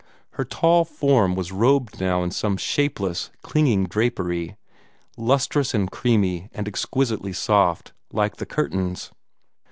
Her tall form was robed now in some shapeless, clinging drapery, lustrous and creamy and exquisitely soft, like the curtains.